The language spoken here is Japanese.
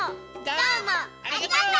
どうもありがとう！